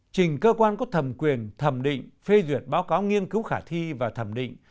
trình cơ quan có thẩm quyền thẩm định phê duyệt báo cáo nghiên cứu khả thi và thẩm định